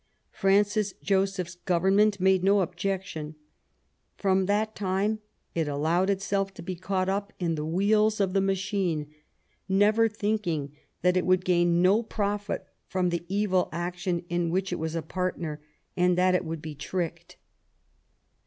Francis Joseph's Government made no objection ; from that time it allowed itself to be caught up in the wheels of the machine, never thinking that it would gain no profit from the evil action in which it was a partner and that it would be tricked.